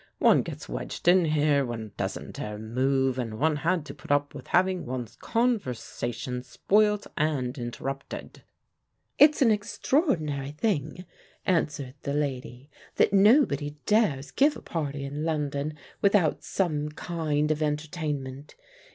One gets wedged in here, one doesn't dare move, and one had to put up with having one's conversation spoilt and interrupted." "It's an extraordinary thing," answered the lady, "that nobody dares give a party in London without some kind of entertainment.